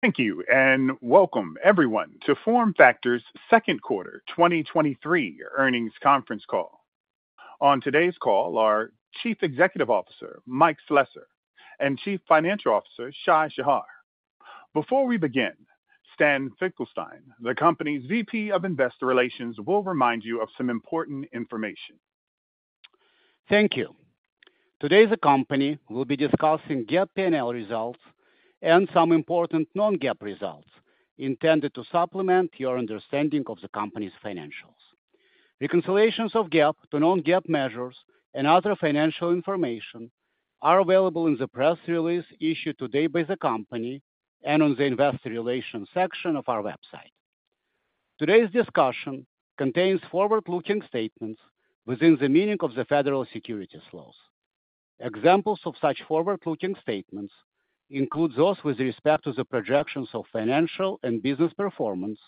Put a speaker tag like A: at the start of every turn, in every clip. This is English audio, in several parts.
A: Thank you, and welcome everyone to FormFactor's second quarter 2023 earnings conference call. On today's call are Chief Executive Officer, Mike Slessor, and Chief Financial Officer, Shai Shahar. Before we begin, Stan Finkelstein, the company's VP of Investor Relations, will remind you of some important information.
B: Thank you. Today, the company will be discussing GAAP P&L results and some important non-GAAP results intended to supplement your understanding of the company's financials. Reconciliations of GAAP to non-GAAP measures and other financial information are available in the press release issued today by the company and on the investor relations section of our website. Today's discussion contains forward-looking statements within the meaning of the federal securities laws. Examples of such forward-looking statements include those with respect to the projections of financial and business performance,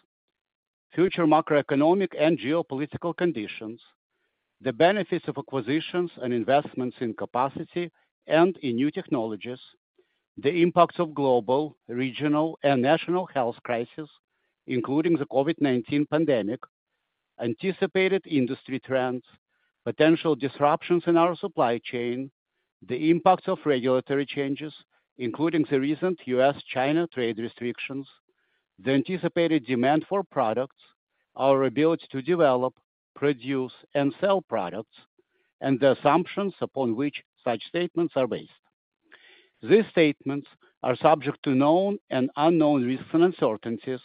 B: future macroeconomic and geopolitical conditions, the benefits of acquisitions and investments in capacity and in new technologies, the impacts of global, regional, and national health crisis, including the COVID-19 pandemic, anticipated industry trends, potential disruptions in our supply chain, the impact of regulatory changes, including the recent U.S.-China trade restrictions, the anticipated demand for products, our ability to develop, produce, and sell products, and the assumptions upon which such statements are based. These statements are subject to known and unknown risks and uncertainties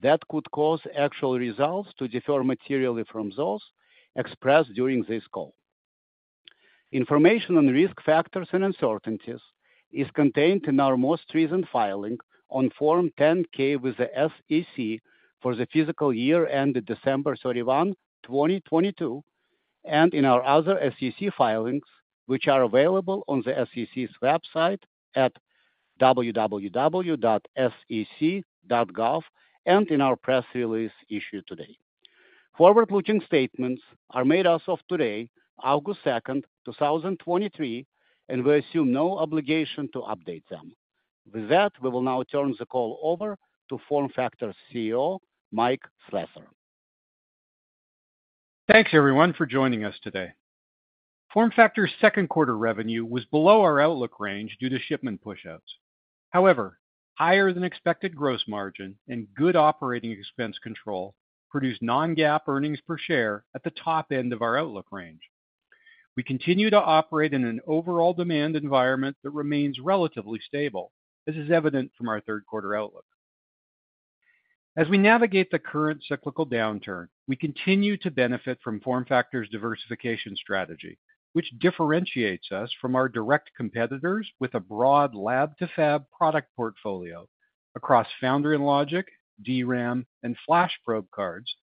B: that could cause actual results to differ materially from those expressed during this call. Information on risk factors and uncertainties is contained in our most recent filing on Form 10-K with the SEC for the fiscal year ended December 31, 2022, and in our other SEC filings, which are available on the SEC's website at www.sec.gov, and in our press release issued today. Forward-looking statements are made as of today, August 2nd, 2023, and we assume no obligation to update them. With that, we will now turn the call over to FormFactor CEO, Mike Slessor.
C: Thanks, everyone, for joining us today. FormFactor's second quarter revenue was below our outlook range due to shipment pushouts. However, higher than expected gross margin and good operating expense control produced non-GAAP earnings per share at the top end of our outlook range. We continue to operate in an overall demand environment that remains relatively stable. This is evident from our third quarter outlook. As we navigate the current cyclical downturn, we continue to benefit from FormFactor's diversification strategy, which differentiates us from our direct competitors with a broad lab-to-fab product portfolio across foundry and logic, DRAM, and flash probe cards,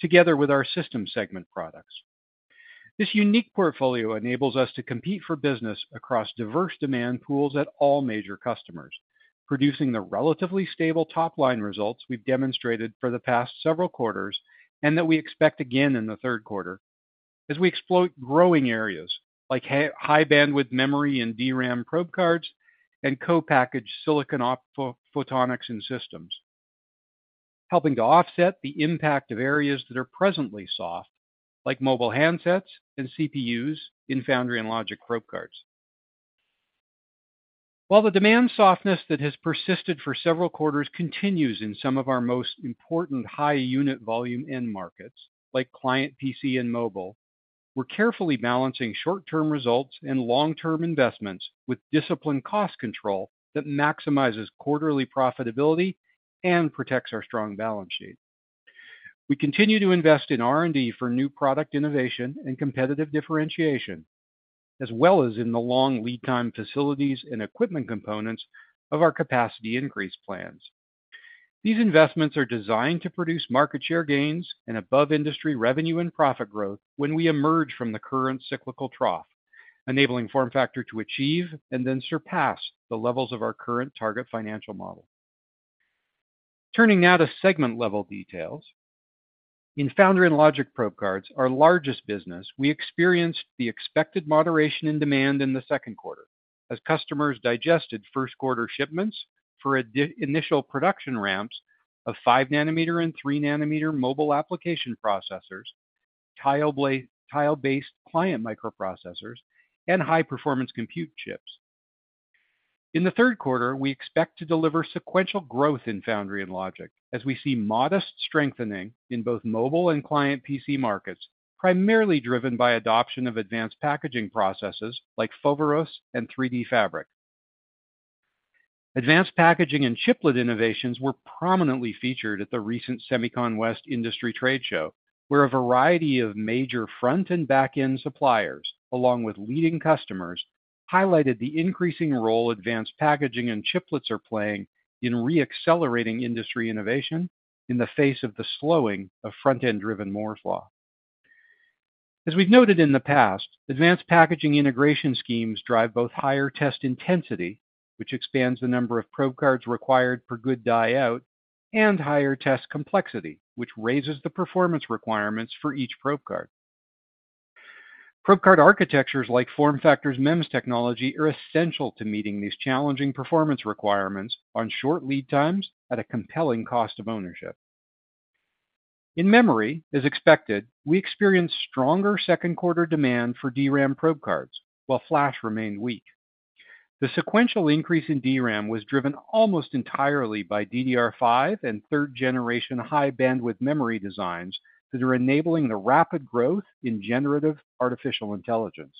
C: together with our system segment products. This unique portfolio enables us to compete for business across diverse demand pools at all major customers, producing the relatively stable top-line results we've demonstrated for the past several quarters, and that we expect again in the third quarter as we exploit growing areas like High Bandwidth Memory and DRAM probe cards and co-packaged silicon photonics and systems, helping to offset the impact of areas that are presently soft, like mobile handsets and CPUs in foundry and logic probe cards. While the demand softness that has persisted for several quarters continues in some of our most important high unit volume end markets, like client, PC, and mobile, we're carefully balancing short-term results and long-term investments with disciplined cost control that maximizes quarterly profitability and protects our strong balance sheet. We continue to invest in R&D for new product innovation and competitive differentiation, as well as in the long lead time facilities and equipment components of our capacity increase plans. These investments are designed to produce market share gains and above-industry revenue and profit growth when we emerge from the current cyclical trough, enabling FormFactor to achieve and then surpass the levels of our current target financial model. Turning now to segment-level details. In foundry and logic probe cards, our largest business, we experienced the expected moderation in demand in the second quarter as customers digested first-quarter shipments for initial production ramps of 5-nanometer and 3-nanometer mobile application processors, tile-based client microprocessors, and high-performance compute chips. In the third quarter, we expect to deliver sequential growth in foundry and logic, as we see modest strengthening in both mobile and client PC markets, primarily driven by adoption of advanced packaging processes like Foveros and 3D Fabric. Advanced packaging and chiplet innovations were prominently featured at the recent SEMICON West Industry Trade Show, where a variety of major front and back-end suppliers, along with leading customers, highlighted the increasing role advanced packaging and chiplets are playing in re-accelerating industry innovation in the face of the slowing of front-end-driven Moore's Law. As we've noted in the past, advanced packaging integration schemes drive both higher test intensity, which expands the number of probe cards required per good die out, and higher test complexity, which raises the performance requirements for each probe card. Probe card architectures like FormFactor's MEMS technology are essential to meeting these challenging performance requirements on short lead times at a compelling cost of ownership. In memory, as expected, we experienced stronger second quarter demand for DRAM probe cards, while flash remained weak. The sequential increase in DRAM was driven almost entirely by DDR5 and 3rd-generation High Bandwidth Memory designs that are enabling the rapid growth in generative artificial intelligence.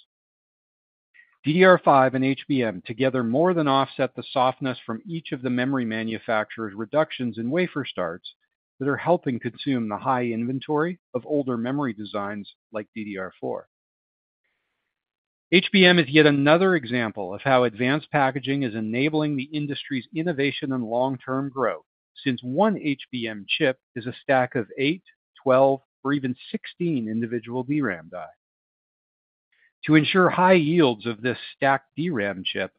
C: DDR5 and HBM together more than offset the softness from each of the memory manufacturers' reductions in wafer starts, that are helping consume the high inventory of older memory designs like DDR4. HBM is yet another example of how advanced packaging is enabling the industry's innovation and long-term growth, since 1 HBM chip is a stack of 8, 12, or even 16 individual DRAM die. To ensure high yields of this stacked DRAM chip,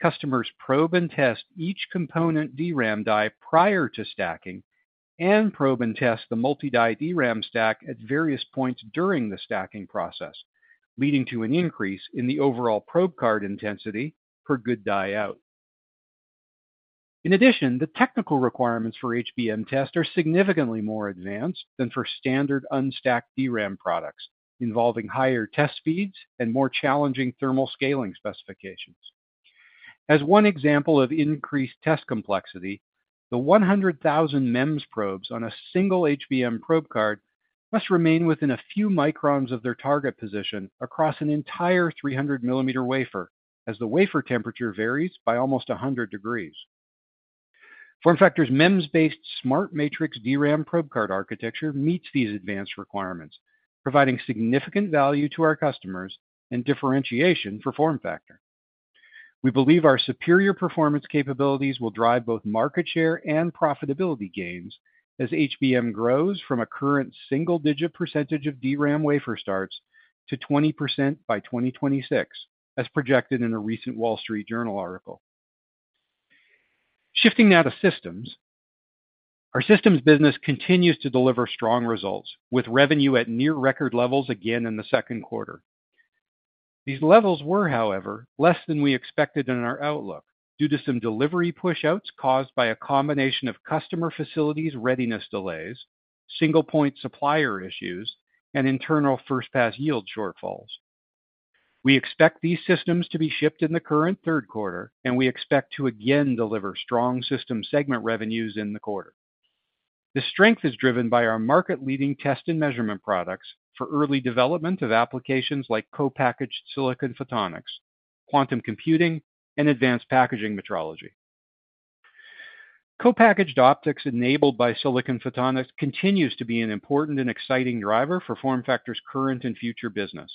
C: customers probe and test each component DRAM die prior to stacking, and probe and test the multi-die DRAM stack at various points during the stacking process, leading to an increase in the overall probe card intensity per good die out. In addition, the technical requirements for HBM test are significantly more advanced than for standard unstacked DRAM products, involving higher test speeds and more challenging thermal scaling specifications. As one example of increased test complexity, the 100,000 MEMS probes on a single HBM probe card must remain within a few microns of their target position across an entire 300 millimeter wafer, as the wafer temperature varies by almost 100 degrees. FormFactor's MEMS-based SmartMatrix DRAM probe card architecture meets these advanced requirements, providing significant value to our customers and differentiation for FormFactor. We believe our superior performance capabilities will drive both market share and profitability gains as HBM grows from a current single-digit % of DRAM wafer starts to 20% by 2026, as projected in a recent Wall Street Journal article. Shifting now to systems. Our systems business continues to deliver strong results, with revenue at near record levels again in the second quarter. These levels were, however, less than we expected in our outlook, due to some delivery pushouts caused by a combination of customer facilities' readiness delays, single-point supplier issues, and internal first-pass yield shortfalls. We expect these systems to be shipped in the current third quarter, and we expect to again deliver strong system segment revenues in the quarter. The strength is driven by our market-leading test and measurement products for early development of applications like co-packaged silicon photonics, quantum computing, and advanced packaging metrology. Co-packaged optics enabled by silicon photonics continues to be an important and exciting driver for FormFactor's current and future business.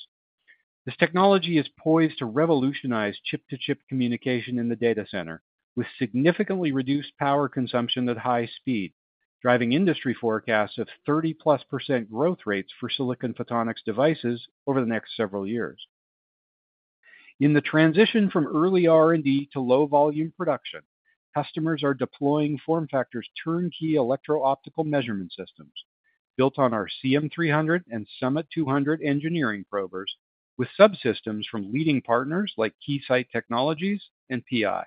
C: This technology is poised to revolutionize chip-to-chip communication in the data center, with significantly reduced power consumption at high speed, driving industry forecasts of 30+% growth rates for silicon photonics devices over the next several years. In the transition from early R&D to low-volume production, customers are deploying FormFactor's turnkey electro-optical measurement systems, built on our CM300 and SUMMIT200 engineering probers, with subsystems from leading partners like Keysight Technologies and PI.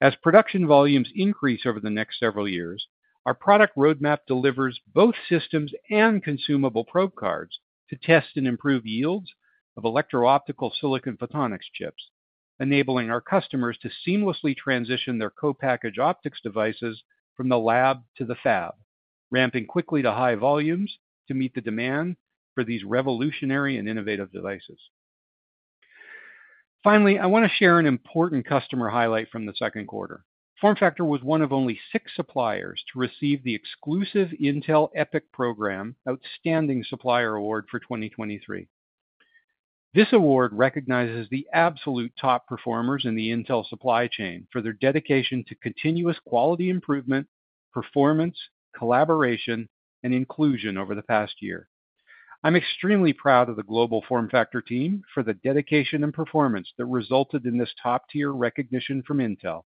C: As production volumes increase over the next several years, our product roadmap delivers both systems and consumable probe cards to test and improve yields of electro-optical silicon photonics chips, enabling our customers to seamlessly transition their co-packaged optics devices from the lab to the fab, ramping quickly to high volumes to meet the demand for these revolutionary and innovative devices. Finally, I want to share an important customer highlight from the second quarter. FormFactor was one of only six suppliers to receive the exclusive Intel EPIC Program Outstanding Supplier Award for 2023. This award recognizes the absolute top performers in the Intel supply chain for their dedication to continuous quality improvement, performance, collaboration, and inclusion over the past year. I'm extremely proud of the global FormFactor team for the dedication and performance that resulted in this top-tier recognition from Intel,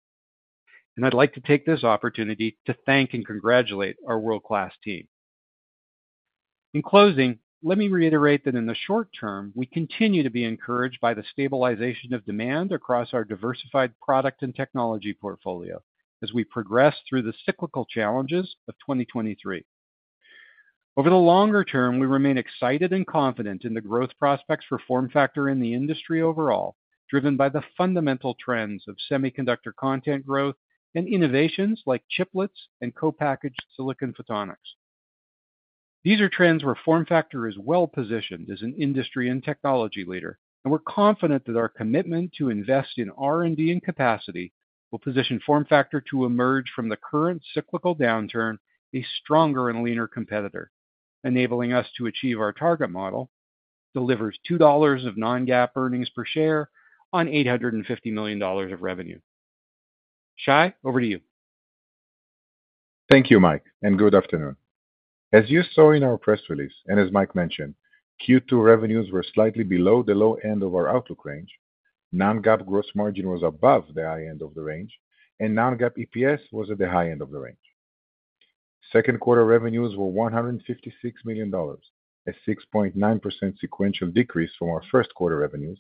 C: and I'd like to take this opportunity to thank and congratulate our world-class team. In closing, let me reiterate that in the short term, we continue to be encouraged by the stabilization of demand across our diversified product and technology portfolio as we progress through the cyclical challenges of 2023. Over the longer term, we remain excited and confident in the growth prospects for FormFactor in the industry overall, driven by the fundamental trends of semiconductor content growth and innovations like chiplets and co-packaged silicon photonics. These are trends where FormFactor is well-positioned as an industry and technology leader, and we're confident that our commitment to invest in R&D and capacity will position FormFactor to emerge from the current cyclical downturn a stronger and leaner competitor, enabling us to achieve our target model, delivers $2 of non-GAAP earnings per share on $850 million of revenue. Shai, over to you.
D: Thank you, Mike, and good afternoon. As you saw in our press release, as Mike mentioned, Q2 revenues were slightly below the low end of our outlook range. Non-GAAP gross margin was above the high end of the range, non-GAAP EPS was at the high end of the range. Second quarter revenues were $156 million, a 6.9% sequential decrease from our first quarter revenues,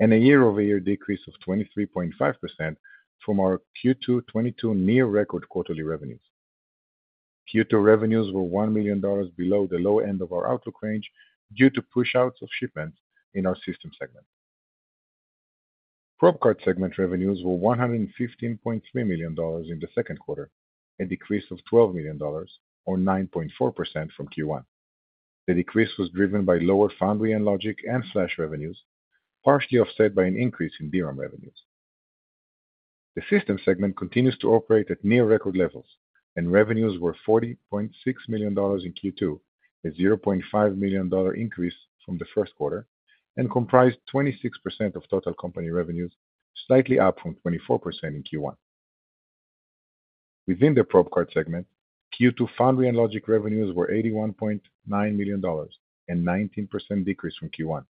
D: a year-over-year decrease of 23.5% from our Q2 2022 near record quarterly revenues. Q2 revenues were $1 million below the low end of our outlook range due to push outs of shipments in our system segment. Probe card segment revenues were $115.3 million in the second quarter, a decrease of $12 million, or 9.4% from Q1. The decrease was driven by lower foundry and logic and flash revenues, partially offset by an increase in DRAM revenues. The system segment continues to operate at near record levels, and revenues were $40.6 million in Q2, a $0.5 million increase from the first quarter, and comprised 26% of total company revenues, slightly up from 24% in Q1. Within the probe card segment, Q2 foundry and logic revenues were $81.9 million, a 19% decrease from Q1.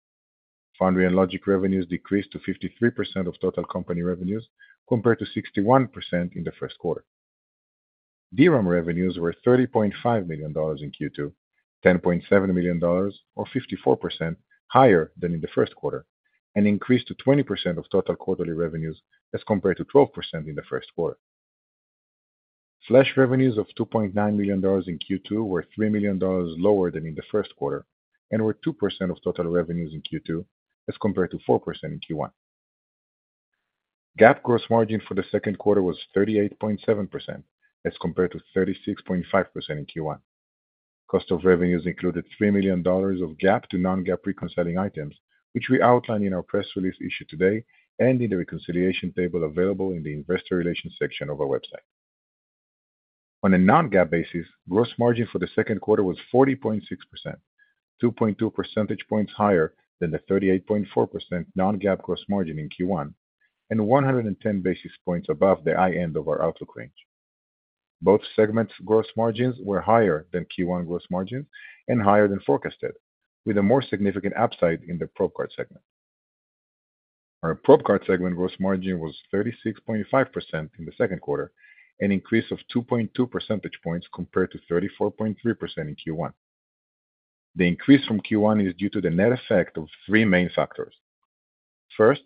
D: Foundry and logic revenues decreased to 53% of total company revenues, compared to 61% in the first quarter. DRAM revenues were $30.5 million in Q2, $10.7 million, or 54% higher than in the first quarter, and increased to 20% of total quarterly revenues, as compared to 12% in the first quarter. Flash revenues of $2.9 million in Q2 were $3 million lower than in the first quarter and were 2% of total revenues in Q2, as compared to 4% in Q1. GAAP gross margin for the second quarter was 38.7%, as compared to 36.5% in Q1. Cost of revenues included $3 million of GAAP to non-GAAP reconciling items, which we outlined in our press release issued today and in the reconciliation table available in the investor relations section of our website. On a non-GAAP basis, gross margin for the second quarter was 40.6%, 2.2 percentage points higher than the 38.4% non-GAAP gross margin in Q1 and 110 basis points above the high end of our outlook range. Both segments' gross margins were higher than Q1 gross margin and higher than forecasted, with a more significant upside in the probe card segment. Our probe card segment gross margin was 36.5% in the second quarter, an increase of 2.2 percentage points compared to 34.3% in Q1. The increase from Q1 is due to the net effect of three main factors. First,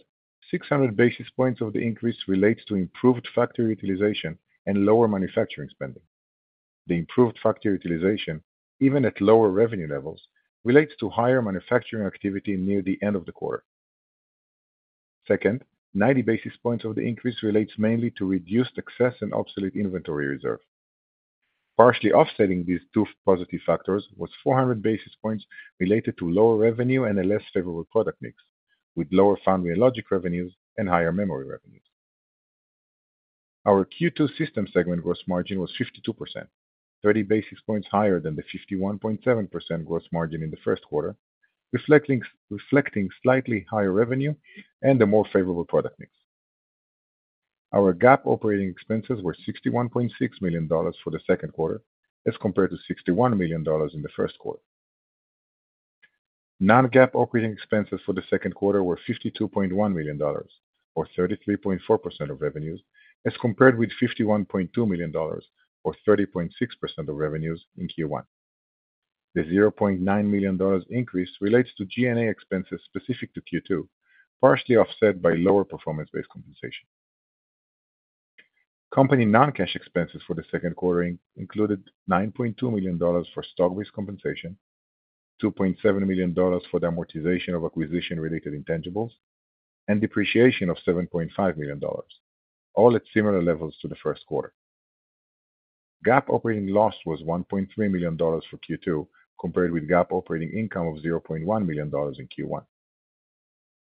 D: 600 basis points of the increase relates to improved factory utilization and lower manufacturing spending. The improved factory utilization, even at lower revenue levels, relates to higher manufacturing activity near the end of the quarter. Second, 90 basis points of the increase relates mainly to reduced excess and obsolete inventory reserve. Partially offsetting these two positive factors was 400 basis points related to lower revenue and a less favorable product mix, with lower foundry and logic revenues and higher memory revenues. Our Q2 system segment gross margin was 52%, 30 basis points higher than the 51.7% gross margin in the first quarter, reflecting slightly higher revenue and a more favorable product mix. Our GAAP operating expenses were $61.6 million for the second quarter, as compared to $61 million in the first quarter. Non-GAAP operating expenses for the second quarter were $52.1 million, or 33.4% of revenues, as compared with $51.2 million, or 30.6% of revenues in Q1. The $0.9 million increase relates to G&A expenses specific to Q2, partially offset by lower performance-based compensation. Company non-cash expenses for the second quarter included $9.2 million for stock-based compensation, $2.7 million for the amortization of acquisition-related intangibles, and depreciation of $7.5 million, all at similar levels to the first quarter. GAAP operating loss was $1.3 million for Q2, compared with GAAP operating income of $0.1 million in Q1.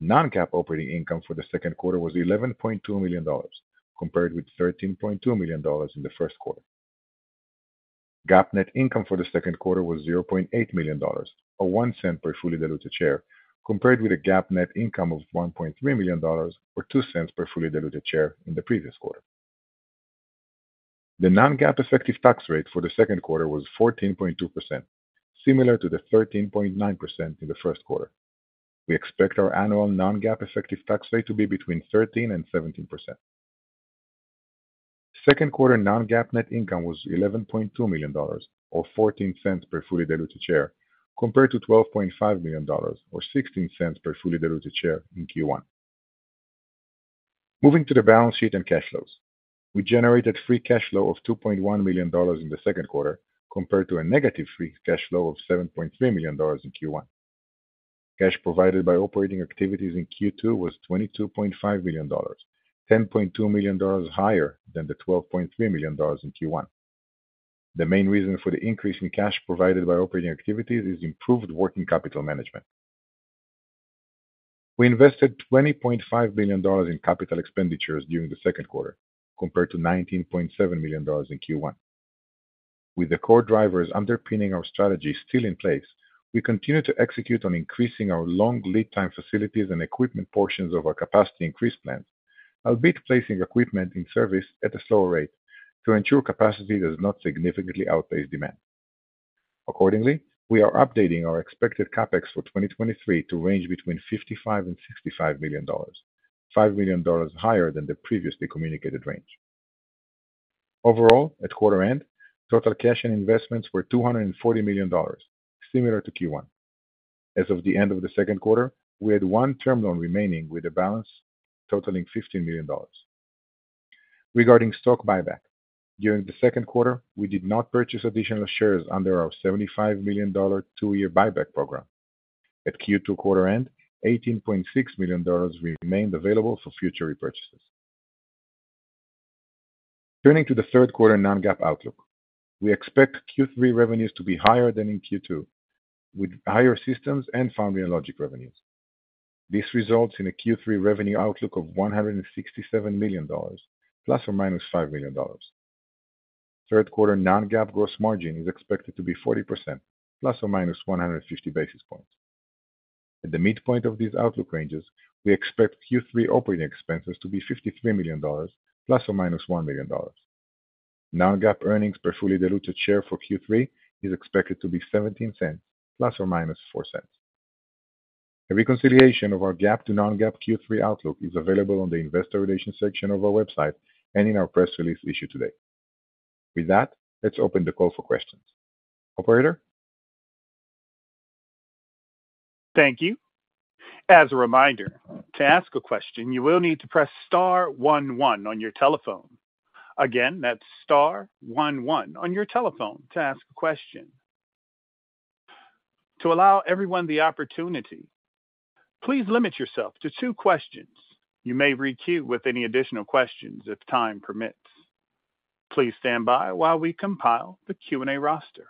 D: Non-GAAP operating income for the second quarter was $11.2 million, compared with $13.2 million in the first quarter. GAAP net income for the second quarter was $0.8 million, or $0.01 per fully diluted share, compared with a GAAP net income of $1.3 million, or $0.02 per fully diluted share in the previous quarter. The non-GAAP effective tax rate for the second quarter was 14.2%, similar to the 13.9% in the first quarter. We expect our annual non-GAAP effective tax rate to be between 13% and 17%. Second quarter non-GAAP net income was $11.2 million, or $0.14 per fully diluted share, compared to $12.5 million, or $0.16 per fully diluted share in Q1. Moving to the balance sheet and cash flows. We generated free cash flow of $2.1 million in the second quarter, compared to a negative free cash flow of $7.3 million in Q1. Cash provided by operating activities in Q2 was $22.5 million, $10.2 million higher than the $12.3 million in Q1. The main reason for the increase in cash provided by operating activities is improved working capital management. We invested $20.5 million in capital expenditures during the second quarter, compared to $19.7 million in Q1. With the core drivers underpinning our strategy still in place, we continue to execute on increasing our long lead time facilities and equipment portions of our capacity increase plans, albeit placing equipment in service at a slower rate to ensure capacity does not significantly outpace demand. Accordingly, we are updating our expected CapEx for 2023 to range between $55 million-$65 million, $5 million higher than the previously communicated range. Overall, at quarter end, total cash and investments were $240 million, similar to Q1. As of the end of the second quarter, we had one term loan remaining, with a balance totaling $15 million. Regarding stock buyback, during the second quarter, we did not purchase additional shares under our $75 million two-year buyback program. At Q2 quarter end, $18.6 million remained available for future repurchases. Turning to the third quarter non-GAAP outlook, we expect Q3 revenues to be higher than in Q2, with higher systems and foundry logic revenues. This results in a Q3 revenue outlook of $167 million, ±$5 million. Third quarter non-GAAP gross margin is expected to be 40%, ±150 basis points. At the midpoint of these outlook ranges, we expect Q3 operating expenses to be $53 million, ±$1 million. Non-GAAP earnings per fully diluted share for Q3 is expected to be $0.17, ±$0.04. A reconciliation of our GAAP to non-GAAP Q3 outlook is available on the investor relations section of our website and in our press release issued today. With that, let's open the call for questions. Operator?
A: Thank you. As a reminder, to ask a question, you will need to press star one, one on your telephone. Again, that's star one, one on your telephone to ask a question. To allow everyone the opportunity, please limit yourself to two questions. You may requeue with any additional questions if time permits. Please stand by while we compile the Q&A roster.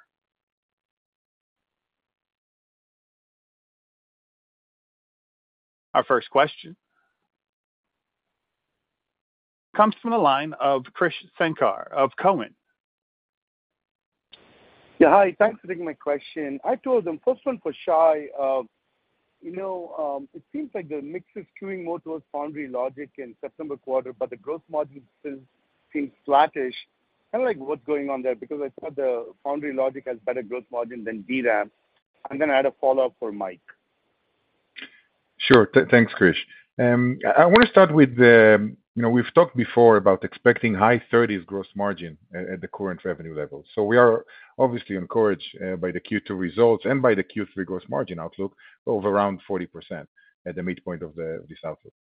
A: Our first question comes from the line of Krish Sankar of Cowen.
E: Yeah, hi, thanks for taking my question. I told them, first one for Shai. you know, it seems like the mix is skewing more towards foundry logic in September quarter, but the gross margin still seems flattish. Kind of like, what's going on there? Because I thought the foundry logic has better gross margin than DRAM. I'm going to add a follow-up for Mike.
D: Sure. Thanks, Krish. I want to start with, you know, we've talked before about expecting high 30s gross margin at the current revenue level. We are obviously encouraged by the Q2 results and by the Q3 gross margin outlook of around 40% at the midpoint of this outlook.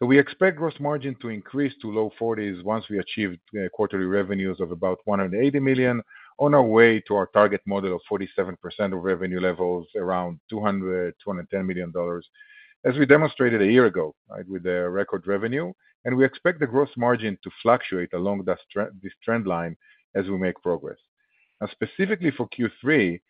D: We expect gross margin to increase to low 40s once we achieve quarterly revenues of about $180 million on our way to our target model of 47% of revenue levels, around $200 million-$210 million, as we demonstrated a year ago with the record revenue. We expect the gross margin to fluctuate along this trend line as we make progress. Now, specifically for Q3,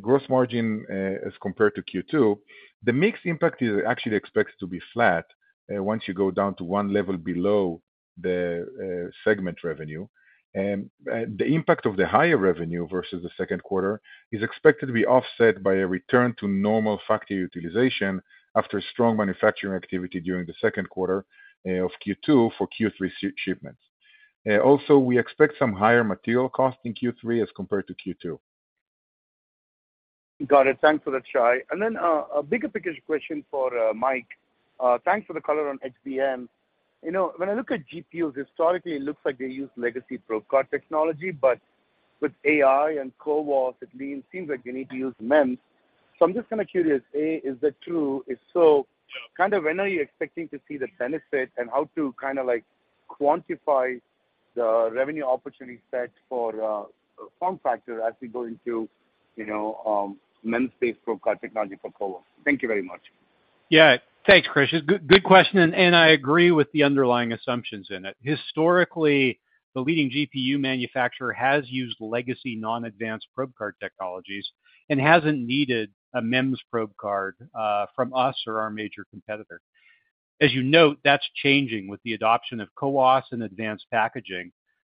D: gross margin, as compared to Q2, the mix impact is actually expected to be flat, once you go down to one level below the segment revenue. The impact of the higher revenue versus the second quarter is expected to be offset by a return to normal factory utilization after strong manufacturing activity during the second quarter, of Q2 for Q3 shipments. Also, we expect some higher material costs in Q3 as compared to Q2.
E: Got it. Thanks for that, Shai. Then a bigger picture question for Mike. Thanks for the color on HBM. You know, when I look at GPUs, historically, it looks like they use legacy probe card technology, but with AI and CoWoS, it seems like you need to use MEMS. I'm just kind of curious, A, is that true? If so, kind of, when are you expecting to see the benefit and how to kind of, like, quantify the revenue opportunity set for FormFactor as we go into, you know, MEMS-based probe card technology for CoWoS? Thank you very much.
C: Yeah, thanks, Krish. Good, good question, and I agree with the underlying assumptions in it. Historically, the leading GPU manufacturer has used legacy non-advanced probe card technologies and hasn't needed a MEMS probe card from us or our major competitor. As you note, that's changing with the adoption of CoWoS and advanced packaging,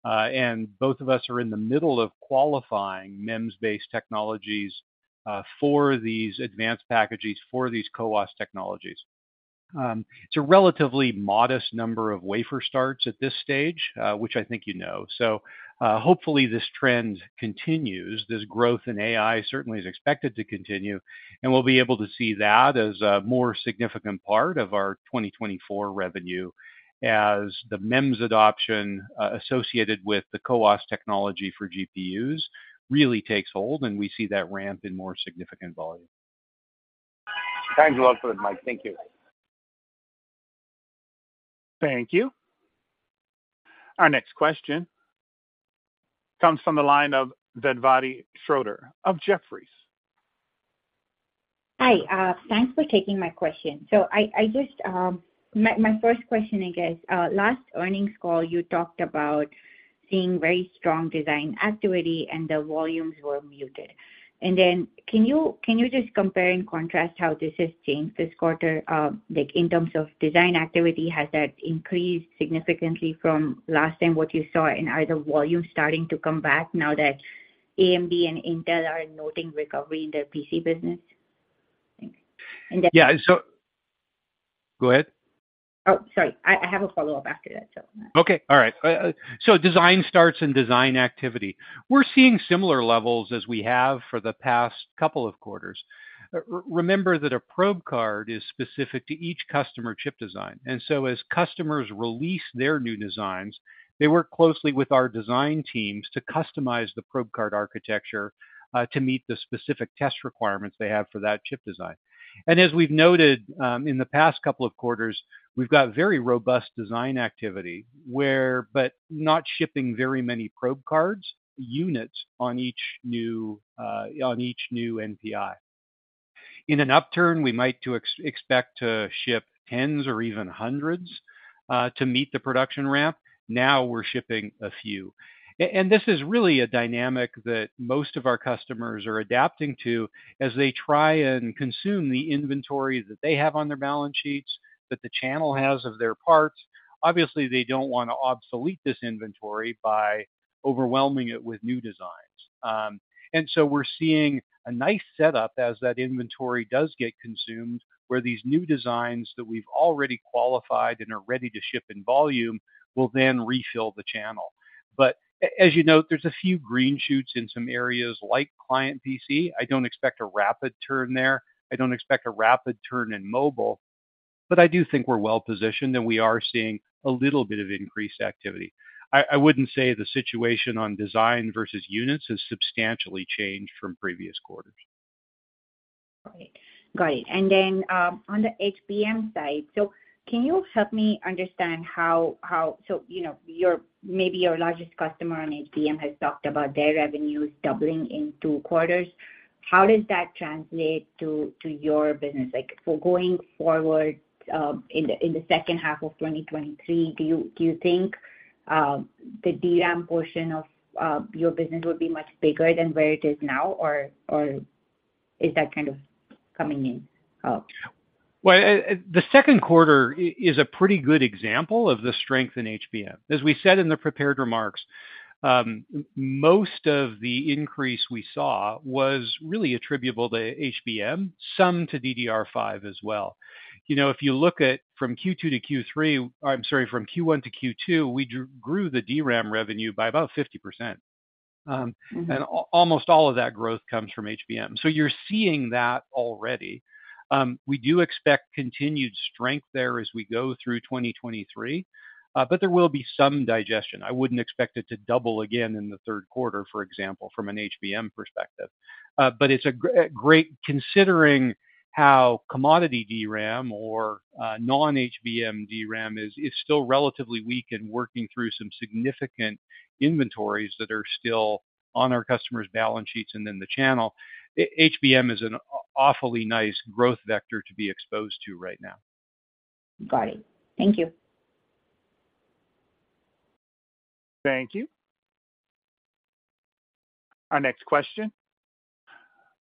C: and both of us are in the middle of qualifying MEMS-based technologies for these advanced packages, for these CoWoS technologies. It's a relatively modest number of wafer starts at this stage, which I think you know. Hopefully, this trend continues. This growth in AI certainly is expected to continue, and we'll be able to see that as a more significant part of our 2024 revenue as the MEMS adoption associated with the CoWoS technology for GPUs really takes hold, and we see that ramp in more significant volume.
E: Thanks a lot for that, Mike. Thank you.
A: Thank you. Our next question comes from the line of Vedvati Shrotre of Jefferies.
F: Hi, thanks for taking my question. I just, my first question, I guess, last earnings call, you talked about seeing very strong design activity and the volumes were muted. Can you just compare and contrast how this has changed this quarter, like, in terms of design activity, has that increased significantly from last time, what you saw? Are the volumes starting to come back now that AMD and Intel are noting recovery in their PC business?
C: Yeah. Go ahead.
F: Oh, sorry. I have a follow-up after that.
C: Okay, all right. Design starts and design activity. We're seeing similar levels as we have for the past couple of quarters. Remember that a probe card is specific to each customer chip design, so as customers release their new designs, they work closely with our design teams to customize the probe card architecture to meet the specific test requirements they have for that chip design. As we've noted, in the past couple of quarters, we've got very robust design activity where, but not shipping very many probe cards, units on each new NPI. In an upturn, we might expect to ship tens or even hundreds to meet the production ramp. Now we're shipping a few. This is really a dynamic that most of our customers are adapting to as they try and consume the inventory that they have on their balance sheets, that the channel has of their parts. Obviously, they don't wanna obsolete this inventory by overwhelming it with new designs. We're seeing a nice setup as that inventory does get consumed, where these new designs that we've already qualified and are ready to ship in volume, will then refill the channel. As you note, there's a few green shoots in some areas like client PC. I don't expect a rapid turn there. I don't expect a rapid turn in mobile, but I do think we're well positioned, and we are seeing a little bit of increased activity. I wouldn't say the situation on design versus units has substantially changed from previous quarters.
F: Got it. Got it. On the HBM side, can you help me understand how... you know, your, maybe your largest customer on HBM has talked about their revenues doubling in two quarters. How does that translate to your business? Like for going forward, in the second half of 2023, do you think the DRAM portion of your business will be much bigger than where it is now, or, or is that kind of coming in up?
C: Well, the second quarter is a pretty good example of the strength in HBM. As we said in the prepared remarks, most of the increase we saw was really attributable to HBM, some to DDR5 as well. You know, if you look at from Q2 to Q3, I'm sorry, from Q1 to Q2, we grew the DRAM revenue by about 50%. Almost all of that growth comes from HBM. You're seeing that already. We do expect continued strength there as we go through 2023, but there will be some digestion. I wouldn't expect it to double again in the third quarter, for example, from an HBM perspective. It's a great considering how commodity DRAM or non-HBM DRAM is still relatively weak and working through some significant inventories that are still on our customers' balance sheets and in the channel. HBM is an awfully nice growth vector to be exposed to right now.
F: Got it. Thank you.
A: Thank you. Our next question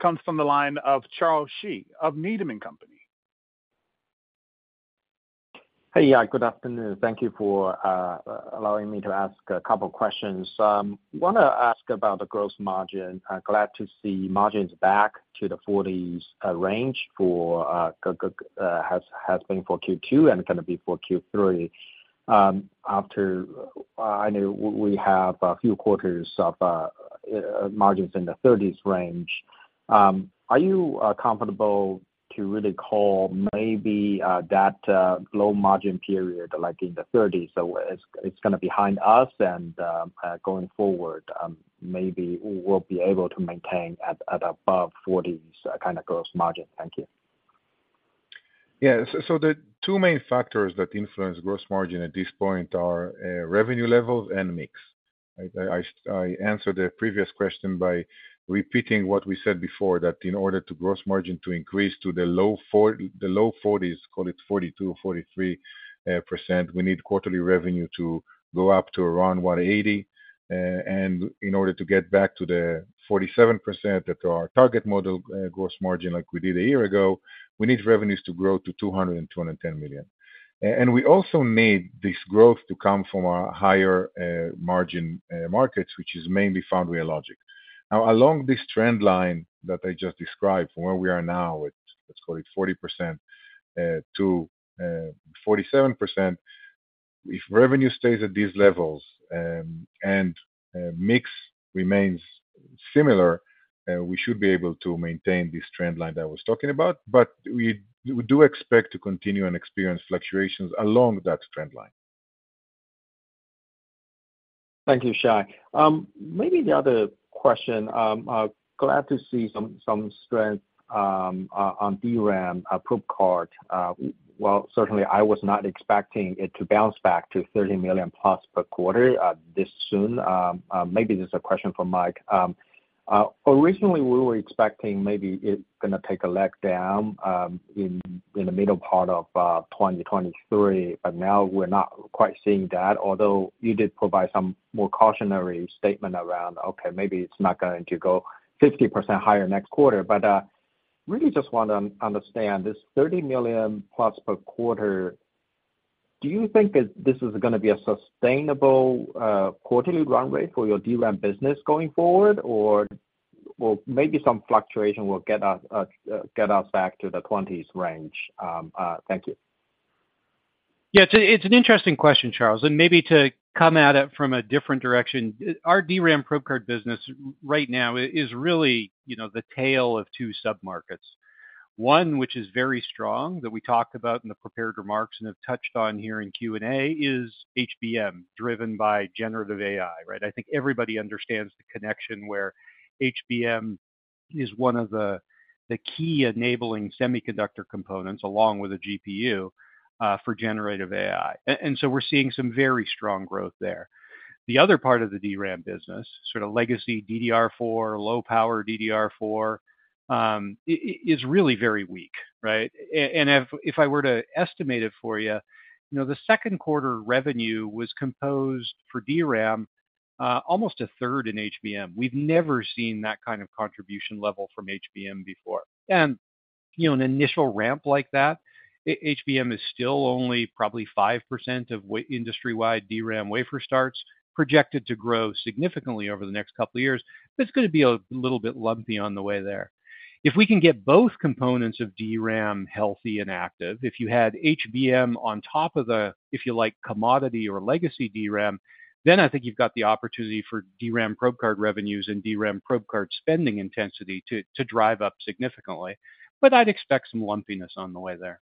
A: comes from the line of Charles Shi of Needham & Company.
G: Hey, yeah, good afternoon. Thank you for allowing me to ask a couple questions. Want to ask about the gross margin. I'm glad to see margins back to the 40s range has, has been for Q2 and gonna be for Q3. After I know we have a few quarters of margins in the 30s range. Are you comfortable to really call maybe that low margin period, like in the 30s, so it's, it's gonna behind us and going forward, maybe we'll be able to maintain at, at above 40s kind of gross margin? Thank you.
D: The two main factors that influence gross margin at this point are revenue levels and mix, right? I answered the previous question by repeating what we said before, that in order to gross margin to increase to the low 40s, call it 42%-43%, we need quarterly revenue to go up to around $180 million. In order to get back to the 47% that our target model gross margin, like we did a year ago, we need revenues to grow to $200 million-$210 million. We also need this growth to come from our higher margin markets, which is mainly foundry and logic. Now, along this trend line that I just described from where we are now, with let's call it 40%-47%, if revenue stays at these levels, and mix remains similar, we should be able to maintain this trend line that I was talking about. We do expect to continue and experience fluctuations along that trend line.
G: Thank you, Shai. Maybe the other question, glad to see some strength on DRAM probe card. Well, certainly I was not expecting it to bounce back to $30 million+ per quarter this soon. Maybe this is a question for Mike. Originally, we were expecting maybe it's going to take a leg down in the middle part of 2023, but now we're not quite seeing that. Although you did provide some more cautionary statement around, "Okay, maybe it's not going to go 50% higher next quarter." Really just want to understand this $30 million+ per quarter. Do you think that this is going to be a sustainable quarterly run rate for your DRAM business going forward, or, well, maybe some fluctuation will get us get us back to the 20s range? Thank you.
C: Yeah, it's an interesting question, Charles, and maybe to come at it from a different direction. Our DRAM probe card business right now is really, you know, the tale of two submarkets. One, which is very strong, that we talked about in the prepared remarks and have touched on here in Q&A, is HBM, driven by generative AI, right? I think everybody understands the connection where HBM is one of the key enabling semiconductor components, along with a GPU for generative AI. We're seeing some very strong growth there. The other part of the DRAM business, sort of legacy DDR4, low power DDR4, is really very weak, right? If I were to estimate it for you, you know, the second quarter revenue was composed for DRAM, almost a third in HBM. We've never seen that kind of contribution level from HBM before. You know, an initial ramp like that, HBM is still only probably 5% of industry-wide DRAM wafer starts, projected to grow significantly over the next couple of years, but it's going to be a little bit lumpy on the way there. If we can get both components of DRAM healthy and active, if you had HBM on top of the, if you like, commodity or legacy DRAM, then I think you've got the opportunity for DRAM probe card revenues and DRAM probe card spending intensity to drive up significantly. I'd expect some lumpiness on the way there.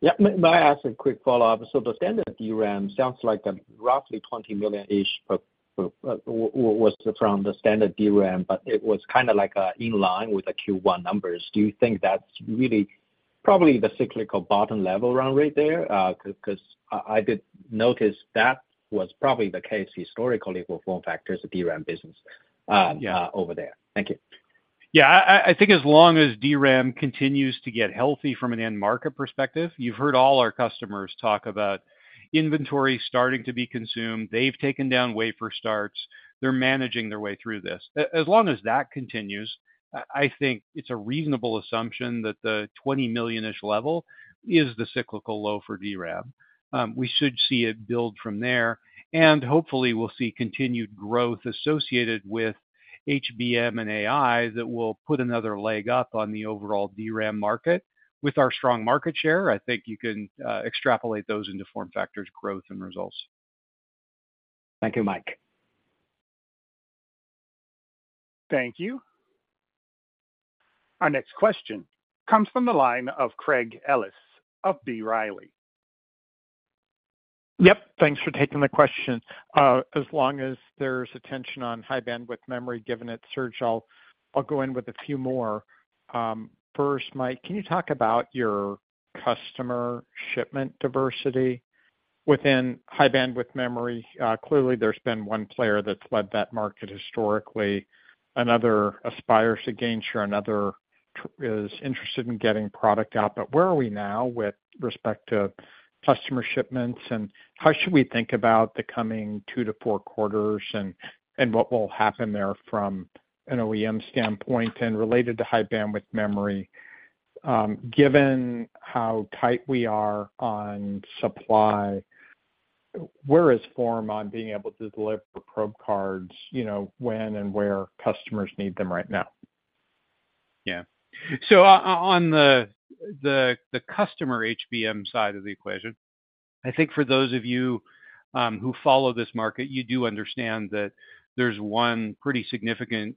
G: Yeah. May I ask a quick follow-up? The standard DRAM sounds like a roughly $20 million-ish per, per, was from the standard DRAM, but it was kind of like in line with the Q1 numbers. Do you think that's really probably the cyclical bottom level run right there? Because I did notice that was probably the case historically for FormFactor's DRAM business, yeah, over there. Thank you.
C: Yeah. I think as long as DRAM continues to get healthy from an end market perspective, you've heard all our customers talk about inventory starting to be consumed. They've taken down wafer starts. They're managing their way through this. As long as that continues, I think it's a reasonable assumption that the 20 million-ish level is the cyclical low for DRAM. We should see it build from there, and hopefully we'll see continued growth associated with HBM and AI that will put another leg up on the overall DRAM market. With our strong market share, I think you can extrapolate those into FormFactor's growth and results.
G: Thank you, Mike.
A: Thank you. Our next question comes from the line of Craig Ellis of B. Riley.
H: Yep. Thanks for taking the question. As long as there's attention on High Bandwidth Memory, given its surge, I'll, I'll go in with a few more. First, Mike, can you talk about your customer shipment diversity within High Bandwidth Memory? Clearly, there's been one player that's led that market historically. Another aspires to gain share, another is interested in getting product out. Where are we now with respect to customer shipments, and how should we think about the coming two to four quarters and, and what will happen there from an OEM standpoint? Related to High Bandwidth Memory, given how tight we are on supply, where is FormFactor on being able to deliver probe cards, you know, when and where customers need them right now?
C: Yeah. On the customer HBM side of the equation, I think for those of you, who follow this market, you do understand that there's one pretty significant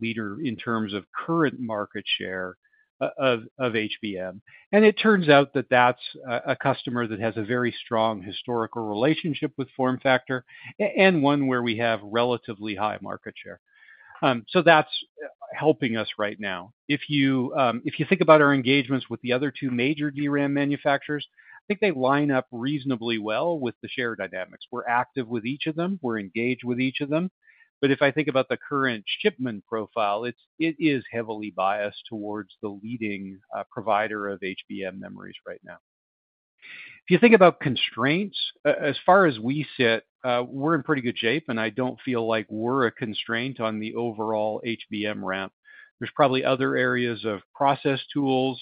C: leader in terms of current market share of HBM. It turns out that that's a customer that has a very strong historical relationship with FormFactor, and one where we have relatively high market share. That's helping us right now. If you think about our engagements with the other two major DRAM manufacturers, I think they line up reasonably well with the share dynamics. We're active with each of them, we're engaged with each of them. If I think about the current shipment profile, it is heavily biased towards the leading provider of HBM memories right now. If you think about constraints, as far as we sit, we're in pretty good shape, and I don't feel like we're a constraint on the overall HBM ramp. There's probably other areas of process tools,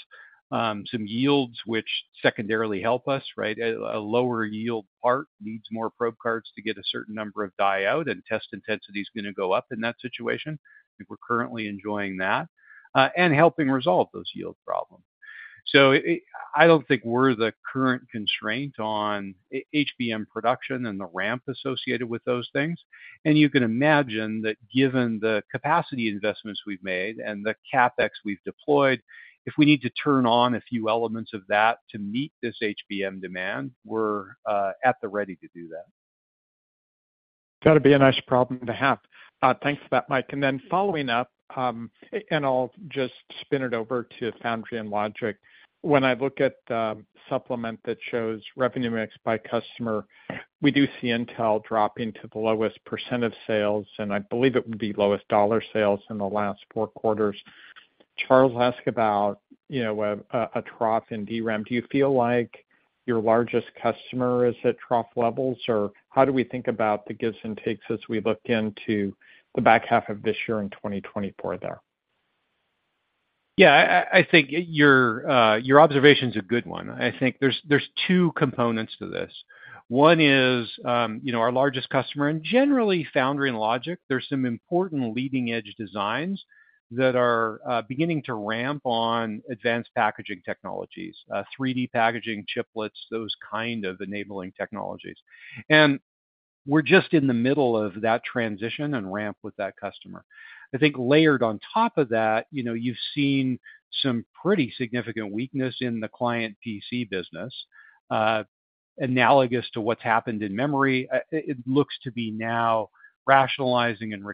C: some yields which secondarily help us, right? A lower yield part needs more probe cards to get a certain number of die out, and test intensity is going to go up in that situation. I think we're currently enjoying that, and helping resolve those yield problems. I don't think we're the current constraint on HBM production and the ramp associated with those things. You can imagine that given the capacity investments we've made and the CapEx we've deployed, if we need to turn on a few elements of that to meet this HBM demand, we're at the ready to do that.
H: Got to be a nice problem to have. thanks for that, Mike. Following up, and I'll just spin it over to foundry and logic. When I look at the supplement that shows revenue mix by customer, we do see Intel dropping to the lowest % of sales, and I believe it would be lowest dollar sales in the last four quarters. Charles asked about, you know, a trough in DRAM. Do you feel like your largest customer is at trough levels, or how do we think about the gives and takes as we look into the back half of this year in 2024 there?
C: Yeah, I think your observation is a good one. I think there's two components to this. One is, you know, our largest customer, and generally, foundry and logic, there's some important leading-edge designs that are beginning to ramp on advanced packaging technologies, 3D packaging, chiplets, those kind of enabling technologies. We're just in the middle of that transition and ramp with that customer. I think layered on top of that, you know, you've seen some pretty significant weakness in the client PC business, analogous to what's happened in memory. It looks to be now rationalizing and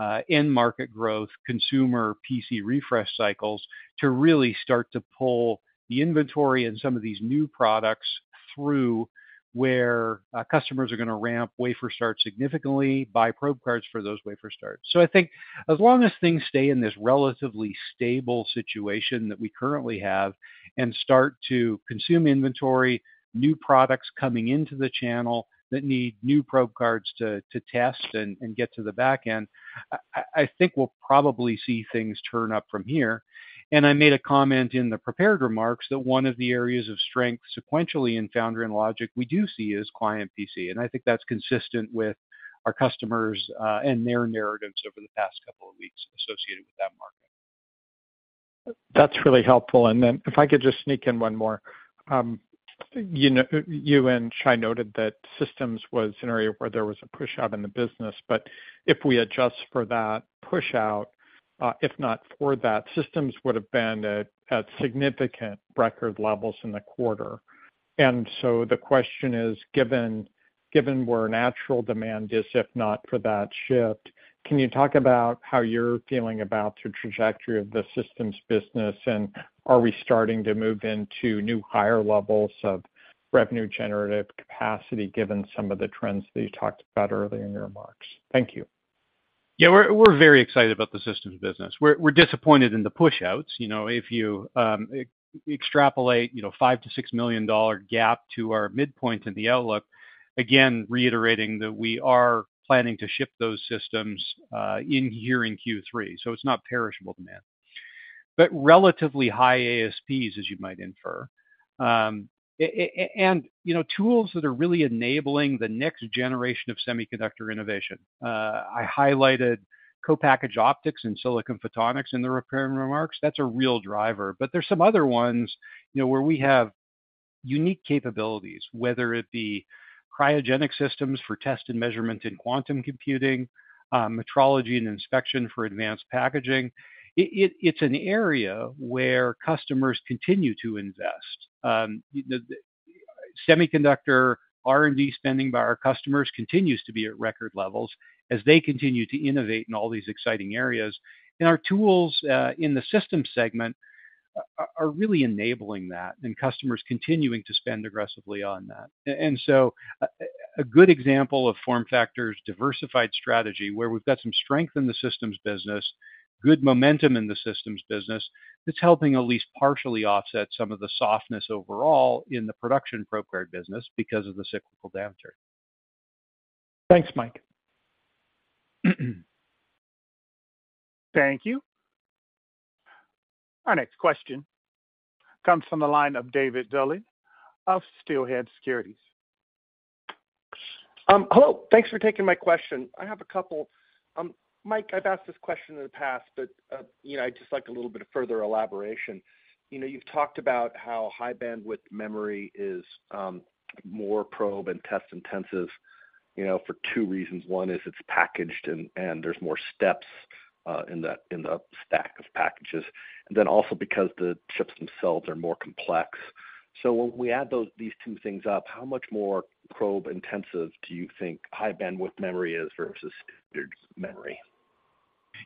C: recovering, but it's also going to take end market growth, consumer PC refresh cycles, to really start to pull the inventory and some of these new products through, where customers are going to ramp wafer starts significantly, buy probe cards for those wafer starts. I think as long as things stay in this relatively stable situation that we currently have and start to consume inventory, new products coming into the channel that need new probe cards to test and get to the back end, I think we'll probably see things turn up from here. I made a comment in the prepared remarks that one of the areas of strength sequentially in foundry and logic we do see is client PC, and I think that's consistent with our customers, and their narratives over the past couple of weeks associated with that market.
H: That's really helpful. Then if I could just sneak in one more. you know, you and Shai noted that systems was an area where there was a pushout in the business, but if we adjust for that pushout, if not for that, systems would have been at significant record levels in the quarter. The question is given where natural demand is, if not for that shift, can you talk about how you're feeling about the trajectory of the systems business, and are we starting to move into new higher levels of revenue-generative capacity, given some of the trends that you talked about earlier in your remarks? Thank you.
C: Yeah, we're very excited about the systems business. We're, we're disappointed in the pushouts. You know, if you, extrapolate, you know, $5 million-$6 million gap to our midpoint in the outlook, again, reiterating that we are planning to ship those systems, in here in Q3, so it's not perishable demand. Relatively high ASPs, as you might infer. You know, tools that are really enabling the next generation of semiconductor innovation. I highlighted co-packaged optics and silicon photonics in the prepared remarks. That's a real driver, but there's some other ones, you know, where we have unique capabilities, whether it be cryogenic systems for test and measurement in quantum computing, metrology and inspection for advanced packaging. It's an area where customers continue to invest. The, the semiconductor R&D spending by our customers continues to be at record levels as they continue to innovate in all these exciting areas. Our tools in the system segment are really enabling that and customers continuing to spend aggressively on that. A good example of FormFactor's diversified strategy, where we've got some strength in the systems business, good momentum in the systems business, that's helping at least partially offset some of the softness overall in the production probe card business because of the cyclical downturn.
H: Thanks, Mike.
A: Thank you. Our next question comes from the line of David Duley of Steelhead Securities.
I: Hello. Thanks for taking my question. I have a couple. Mike, I've asked this question in the past, but, you know, I'd just like a little bit of further elaboration. You know, you've talked about how High Bandwidth Memory is more probe and test intensive, you know, for two reasons. One is it's packaged and, and there's more steps in the, in the stack of packages, and then also because the chips themselves are more complex. When we add those, these two things up, how much more probe intensive do you think High Bandwidth Memory is versus standard memory?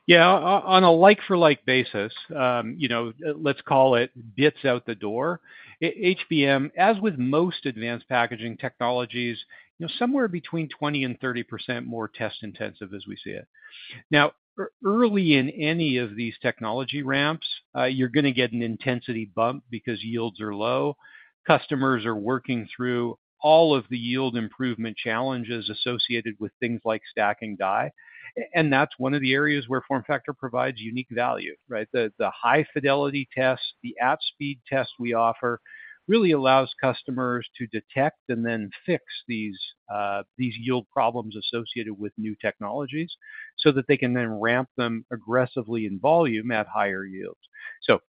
C: Yeah, on a like-for-like basis, you know, let's call it bits out the door, HBM, as with most advanced packaging technologies, you know, somewhere between 20%-30% more test intensive as we see it. Now, early in any of these technology ramps, you're going to get an intensity bump because yields are low. Customers are working through all of the yield improvement challenges associated with things like stacking die, and that's one of the areas where FormFactor provides unique value, right? The high-fidelity test, the at-speed test we offer, really allows customers to detect and then fix these, these yield problems associated with new technologies, so that they can then ramp them aggressively in volume at higher yields.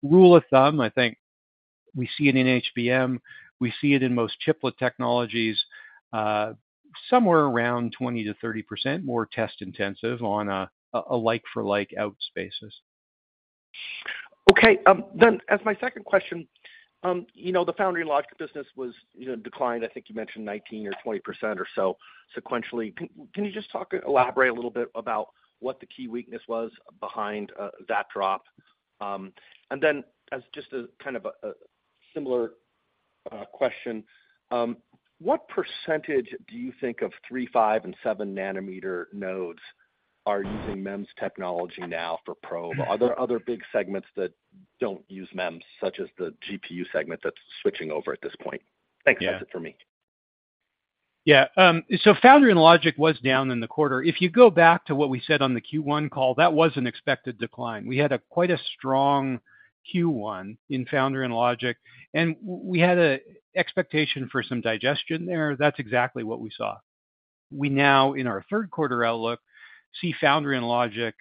C: Rule of thumb, I think we see it in HBM, we see it in most chiplet technologies, somewhere around 20-30% more test intensive on a like-for-like out spaces.
I: Okay, then as my second question, you know, the foundry and logic business was, you know, declined, I think you mentioned 19% or 20% or so sequentially. Can you just talk, elaborate a little bit about what the key weakness was behind that drop? Then as just a kind of a similar question, what percentage do you think of 3-nanometer, 5-nanometer, and 7-nanometer nodes are using MEMS technology now for probe? Are there other big segments that don't use MEMS, such as the GPU segment that's switching over at this point? Thanks.
C: Yeah.
I: That's it for me.
J: Yeah. foundry and logic was down in the quarter. If you go back to what we said on the Q1 call, that was an expected decline. We had a quite a strong Q1 in foundry and logic, and we had a expectation for some digestion there. That's exactly what we saw. We now, in our third quarter outlook, see foundry and logic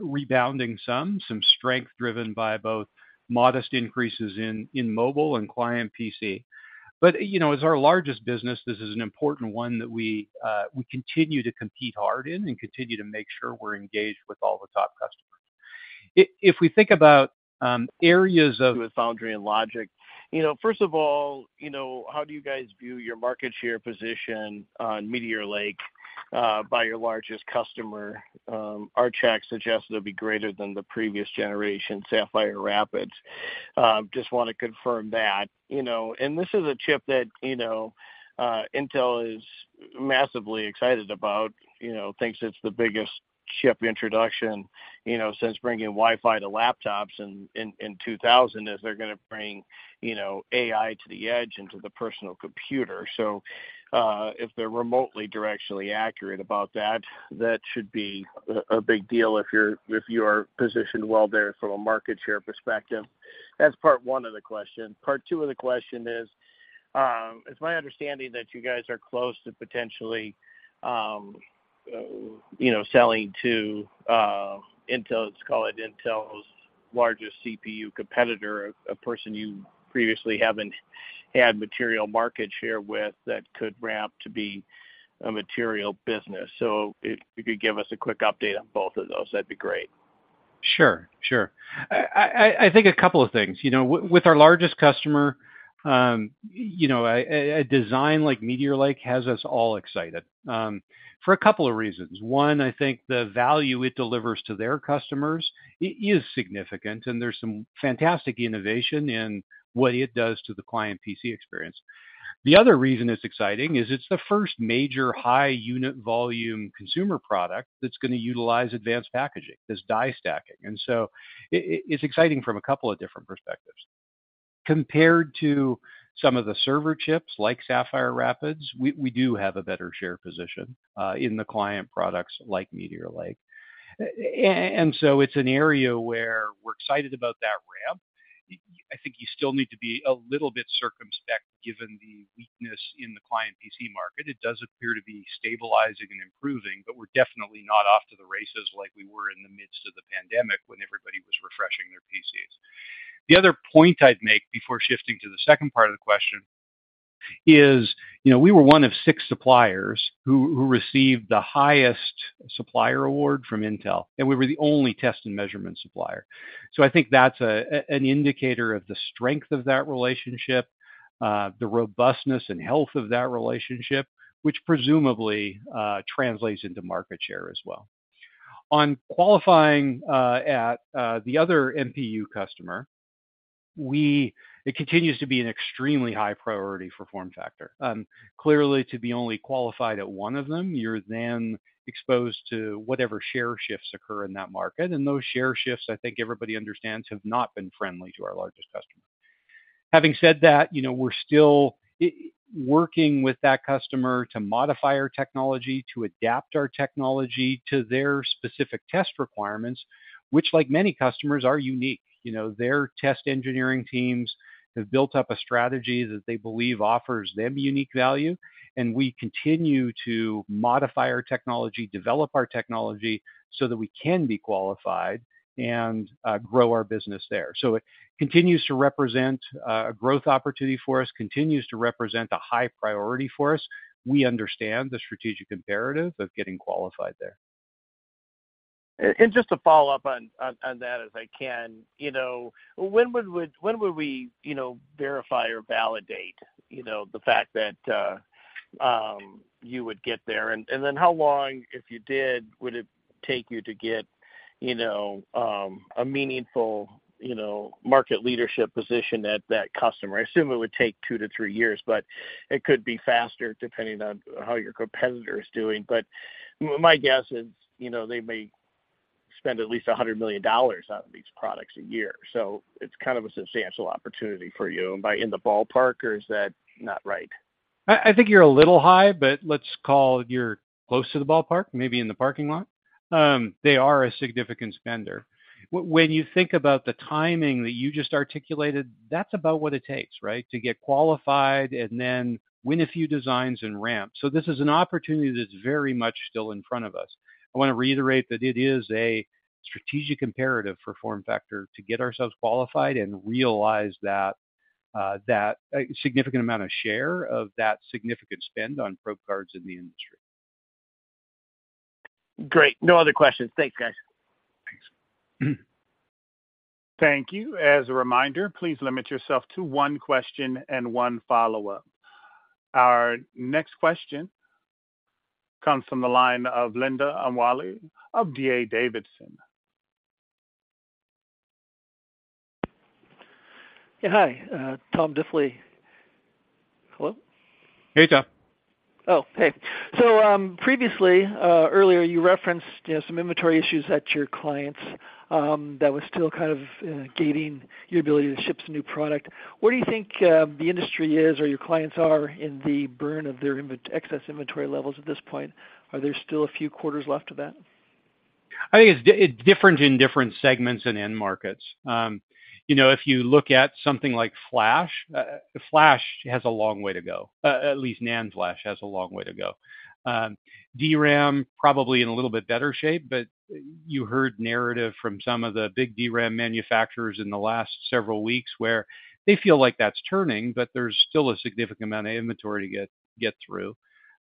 J: rebounding some strength driven by both modest increases in mobile and client PC. You know, as our largest business, this is an important one that we continue to compete hard in and continue to make sure we're engaged with all the top customers. If we think about areas of foundry and logic, you know, first of all, you know, how do you guys view your market share position on Meteor Lake by your largest customer? Our check suggests it'll be greater than the previous generation, Sapphire Rapids. Just want to confirm that. You know, and this is a chip that, you know, Intel is massively excited about, you know, thinks it's the biggest chip introduction, you know, since bringing Wi-Fi to laptops in 2000, as they're going to bring, you know, AI to the edge into the personal computer. If they're remotely directionally accurate about that, that should be a big deal if you are positioned well there from a market share perspective. That's part one of the question. Part two of the question is, it's my understanding that you guys are close to potentially, you know, selling to Intel, let's call it Intel's largest CPU competitor, a person you previously haven't had material market share with that could ramp to be a material business. If you could give us a quick update on both of those, that'd be great.
C: Sure. Sure. I think a couple of things. You know, with our largest customer, you know, a design like Meteor Lake has us all excited for a couple of reasons. One, I think the value it delivers to their customers is significant, and there's some fantastic innovation in what it does to the client PC experience. The other reason it's exciting is it's the first major high unit volume consumer product that's going to utilize advanced packaging, this die stacking. It's exciting from a couple of different perspectives. Compared to some of the server chips, like Sapphire Rapids, we do have a better share position in the client products like Meteor Lake. It's an area where we're excited about that ramp. I think you still need to be a little bit circumspect given the weakness in the client PC market. It does appear to be stabilizing and improving, but we're definitely not off to the races like we were in the midst of the pandemic when everybody was refreshing their PCs. The other point I'd make before shifting to the second part of the question is, you know, we were one of six suppliers who received the highest supplier award from Intel, and we were the only test and measurement supplier. I think that's an indicator of the strength of that relationship, the robustness and health of that relationship, which presumably translates into market share as well. On qualifying at the other NPU customer, it continues to be an extremely high priority for FormFactor. Clearly, to be only qualified at one of them, you're then exposed to whatever share shifts occur in that market, and those share shifts, I think everybody understands, have not been friendly to our largest customer. Having said that, you know, we're still working with that customer to modify our technology, to adapt our technology to their specific test requirements, which, like many customers, are unique. You know, their test engineering teams have built up a strategy that they believe offers them unique value, and we continue to modify our technology, develop our technology so that we can be qualified and grow our business there. It continues to represent a growth opportunity for us, continues to represent a high priority for us. We understand the strategic imperative of getting qualified there.
J: Just to follow up on that as I can, when would, when would we verify or validate the fact that you would get there? Then how long, if you did, would it take you to get a meaningful market leadership position at that customer? I assume it would take 2-3 years, but it could be faster depending on how your competitor is doing. My guess is, they may spend at least $100 million on these products a year, so it's kind of a substantial opportunity for you. Am I in the ballpark, or is that not right?
C: I think you're a little high, but let's call you're close to the ballpark, maybe in the parking lot. They are a significant spender. When you think about the timing that you just articulated, that's about what it takes, right? To get qualified and then win a few designs and ramp. This is an opportunity that's very much still in front of us. I want to reiterate that it is a strategic imperative for FormFactor to get ourselves qualified and realize that a significant amount of share of that significant spend on probe cards in the industry.
J: Great. No other questions. Thanks, guys.
C: Thanks.
A: Thank you. As a reminder, please limit yourself to one question and one follow-up. Our next question comes from the line of Linda Amwali of D.A. Davidson.
K: Yeah, hi, Tom Diffely. Hello?
C: Hey, Tom.
K: Oh, hey. Previously, earlier, you referenced, you know, some inventory issues at your clients, that was still kind of, gating your ability to ship some new product. Where do you think, the industry is or your clients are in the burn of their excess inventory levels at this point? Are there still a few quarters left of that?
C: I think it's different in different segments and end markets. You know, if you look at something like Flash, Flash has a long way to go. At least NAND Flash has a long way to go. DRAM, probably in a little bit better shape, but you heard narrative from some of the big DRAM manufacturers in the last several weeks, where they feel like that's turning, but there's still a significant amount of inventory to get through.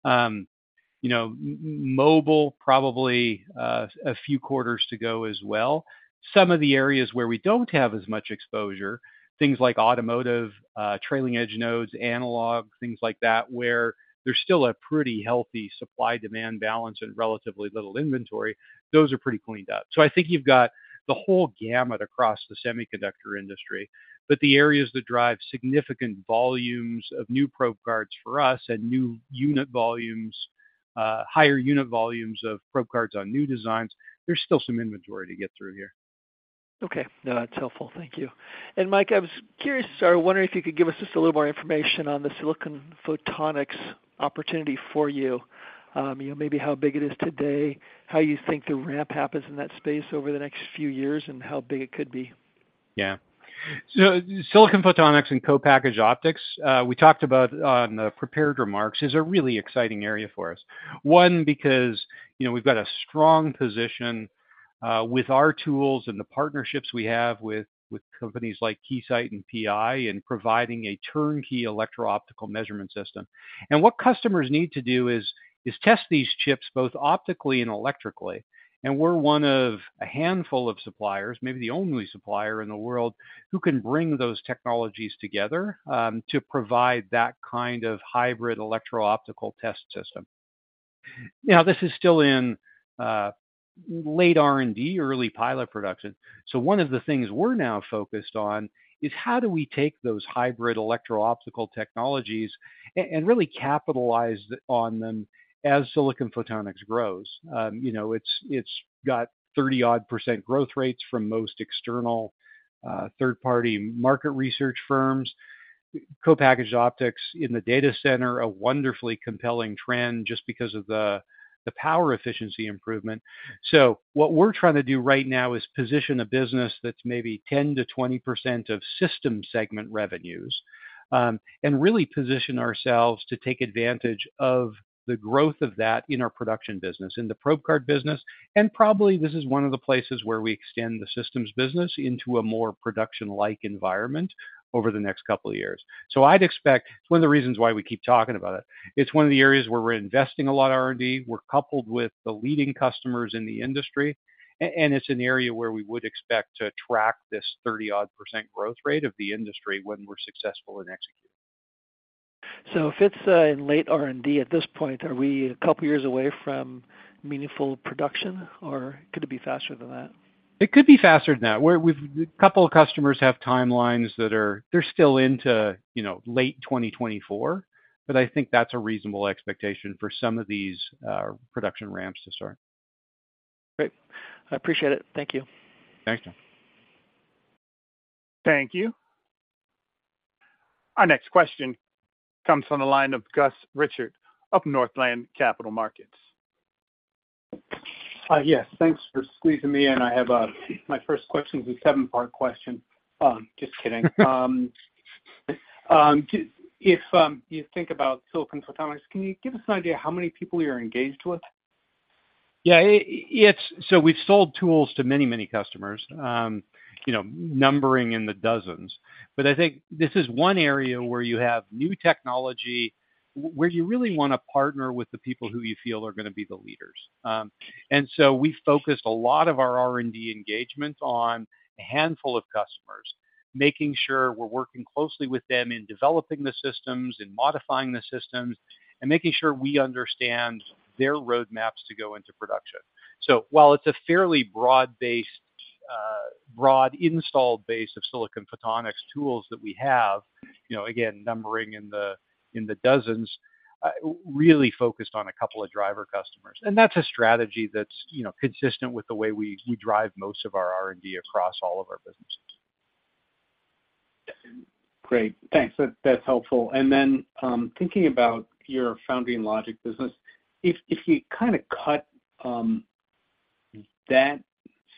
C: You know, mobile, probably, a few quarters to go as well. Some of the areas where we don't have as much exposure, things like automotive, trailing edge nodes, analog, things like that, where there's still a pretty healthy supply-demand balance and relatively little inventory, those are pretty cleaned up. I think you've got the whole gamut across the semiconductor industry, but the areas that drive significant volumes of new probe cards for us and new unit volumes, higher unit volumes of probe cards on new designs, there's still some inventory to get through here.
K: Okay. No, that's helpful. Thank you. Mike, I was curious or wondering if you could give us just a little more information on the silicon photonics opportunity for you. You know, maybe how big it is today, how you think the ramp happens in that space over the next few years, and how big it could be.
C: Yeah. Silicon photonics and co-packaged optics, we talked about on the prepared remarks, is a really exciting area for us. One, because, you know, we've got a strong position, with our tools and the partnerships we have with, with companies like Keysight and PI in providing a turnkey electro-optical measurement system. And what customers need to do is test these chips both optically and electrically, and we're one of a handful of suppliers, maybe the only supplier in the world, who can bring those technologies together, to provide that kind of hybrid electro-optical test system. Now, this is still in, late R&D, early pilot production. One of the things we're now focused on is how do we take those hybrid electro-optical technologies and really capitalize on them as silicon photonics grows? you know, it's, it's got 30-odd% growth rates from most external, third-party market research firms. Co-packaged optics in the data center, a wonderfully compelling trend just because of the, the power efficiency improvement. What we're trying to do right now is position a business that's maybe 10%-20% of system segment revenues, and really position ourselves to take advantage of the growth of that in our production business, in the probe card business. Probably this is one of the places where we extend the systems business into a more production-like environment over the next couple of years. I'd expect. It's one of the reasons why we keep talking about it. It's one of the areas where we're investing a lot of R&D, we're coupled with the leading customers in the industry, it's an area where we would expect to track this 30-odd % growth rate of the industry when we're successful in executing.
K: If it's, in late R&D at this point, are we a couple of years away from meaningful production, or could it be faster than that?
C: It could be faster than that. A couple of customers have timelines that are... they're still into, you know, late 2024, I think that's a reasonable expectation for some of these production ramps to start.
K: Great. I appreciate it. Thank you.
C: Thank you.
A: Thank you. Our next question comes from the line of Gus Richard of Northland Capital Markets.
L: Yes, thanks for squeezing me in. I have, my first question is a seven-part question. Just kidding. If you think about silicon photonics, can you give us an idea how many people you're engaged with?
C: Yeah, it's... We've sold tools to many, many customers, you know, numbering in the dozens. I think this is one area where you have new technology, where you really want to partner with the people who you feel are gonna be the leaders. We focused a lot of our R&D engagement on a handful of customers, making sure we're working closely with them in developing the systems, in modifying the systems, and making sure we understand their roadmaps to go into production. While it's a fairly broad-based, broad installed base of silicon photonics tools that we have, you know, again, numbering in the dozens, really focused on a couple of driver customers. That's a strategy that's, you know, consistent with the way we, we drive most of our R&D across all of our businesses.
L: Great. Thanks. That, that's helpful. Then, thinking about your foundry and logic business, if you kinda cut, that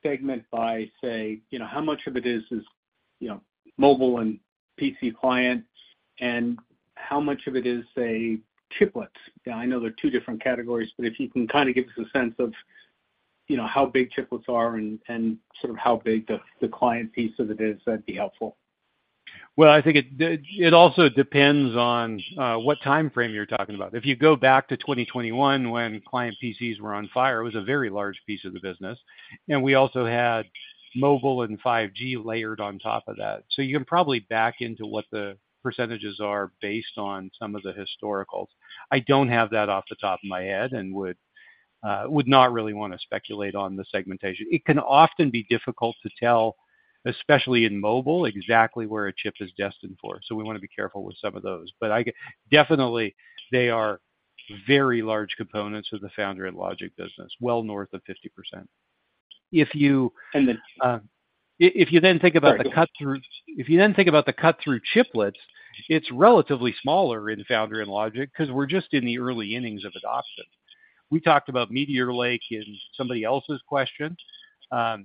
L: segment by, say, you know, how much of it is, you know, mobile and PC clients, and how much of it is, say, chiplets? I know they're two different categories, but if you can kinda give us a sense of, you know, how big chiplets are and sort of how big the client piece of it is, that'd be helpful.
C: Well, I think it also depends on what time frame you're talking about. If you go back to 2021, when client PCs were on fire, it was a very large piece of the business, and we also had mobile and 5G layered on top of that. You can probably back into what the percentages are based on some of the historicals. I don't have that off the top of my head and would not really want to speculate on the segmentation. It can often be difficult to tell, especially in mobile, exactly where a chip is destined for, so we wanna be careful with some of those. Definitely, they are very large components of the foundry and logic business, well north of 50%.
L: If you...
C: If you then think about the cut through, if you then think about the cut-through chiplets, it's relatively smaller in foundry and logic, because we're just in the early innings of adoption. We talked about Meteor Lake in somebody else's question.